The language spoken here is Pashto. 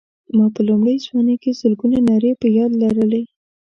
ما په لومړۍ ځوانۍ کې سلګونه نارې په یاد لرلې.